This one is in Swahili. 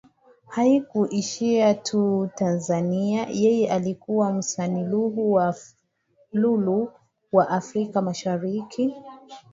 Haikushia tu Tanzania yeye alikuwa msanii lulu wa Africa mashariki